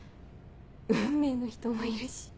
運命の人もいるし。